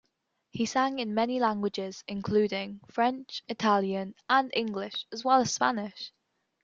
He sang in many languages, including French, Italian and English, as well as Spanish.